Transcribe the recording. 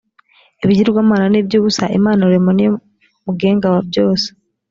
ibigirwamana ni ibyubusa imana rurema ni yomugenga wabyose.